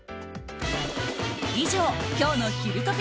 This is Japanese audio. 以上今日のひるトピ！